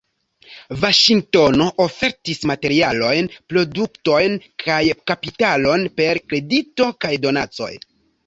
Vaŝingtono ofertis materialojn, produktojn kaj kapitalon per kredito kaj donacoj.